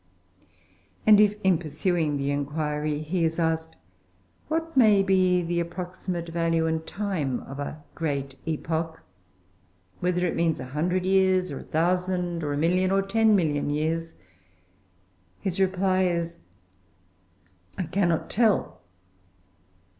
And if, in pursuing the inquiry, he is asked what may be the approximate value in time of a "great epoch" whether it means a hundred years, or a thousand, or a million, or ten million years his reply is, "I cannot tell."